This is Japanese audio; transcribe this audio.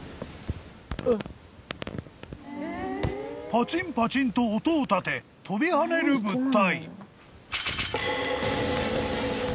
［パチンパチンと音を立て跳びはねる物体］